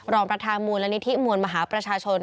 รองประธานมูลนิธิมวลมหาประชาชน